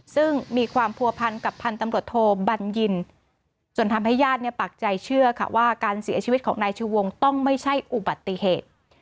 ซึ่งมีความผัวพันกับพันธุ์ตำรวจโทบัญญินจนทำให้ญาติปักใจเชื่อค่ะว่าการเสียชีวิตของนายชูวงต้องไม่ใช่อุบัติเหตุ